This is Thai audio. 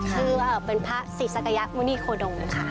คือเป็นพระศรีสักยะมุณีโคดงค่ะ